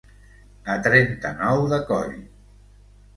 A trenta-nou de coll.